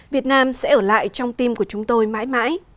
việt nam sẽ ở lại trong tim của chúng tôi mãi mãi